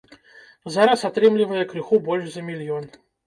Зараз атрымлівае крыху больш за мільён.